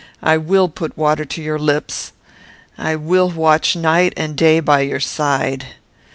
I will put water to your lips. I will watch night and day by your side.